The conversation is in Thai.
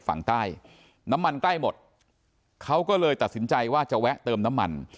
ฝั่งใต้น้ำมันใกล้หมดเขาก็เลยตัดสินใจว่าจะแวะเติมน้ำมัน